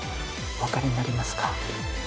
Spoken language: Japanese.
お分かりになりますか？